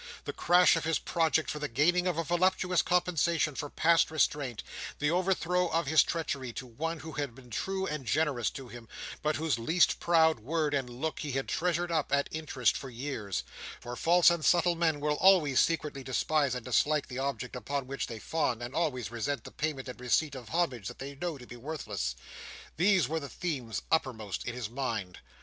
The crash of his project for the gaining of a voluptuous compensation for past restraint; the overthrow of his treachery to one who had been true and generous to him, but whose least proud word and look he had treasured up, at interest, for years—for false and subtle men will always secretly despise and dislike the object upon which they fawn and always resent the payment and receipt of homage that they know to be worthless; these were the themes uppermost in his mind.